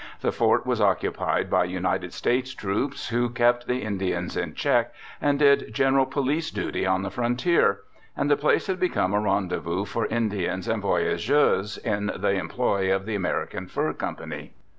The fort was occupied by United States troops, who kept the Indians in check and did general police duty on the frontier, and the place had become a rendezvous for Indians and voy ageurs in the employ of the American Fur Company.